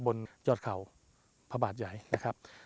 บนยอดเขาพระบาทใหญ่นะครับ